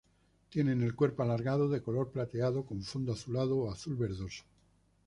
Tienen el cuerpo alargado, de color plateado con fondo azulado o azul-verdoso.